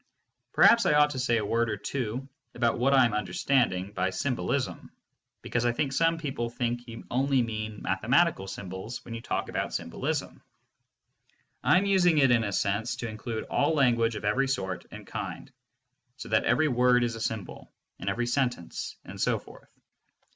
Perhaps I ought to say a word or two about what I am understanding by symbolism, because I think some people think you only mean mathematical symbols when you talk about symbolism. I am using it in a sense to include all language of every sort and kind, so that every word is a symbol, and every sentence, and so forth.